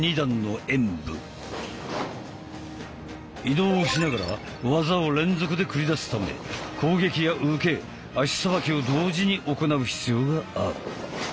移動をしながら技を連続で繰り出すため攻撃や受け足さばきを同時に行う必要がある。